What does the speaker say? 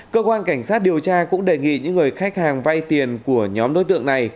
cơ quan cảnh sát điều tra cũng đề nghị những người khách hàng vay tiền của nhóm đối tượng này